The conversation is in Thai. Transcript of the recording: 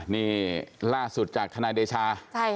นี่ล่าสุดจากทนายเดชา